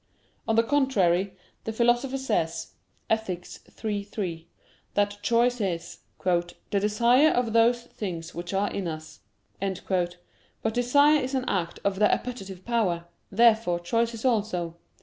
On the contrary, The Philosopher says (Ethic. iii, 3) that choice is "the desire of those things which are in us." But desire is an act of the appetitive power: therefore choice is also.